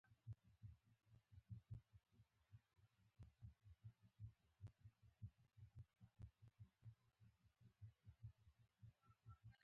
ښه پلورونکی د خبرو نه، د نیت سړی وي.